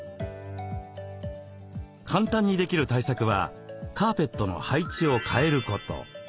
簡単にできる対策はカーペットの配置を変えること。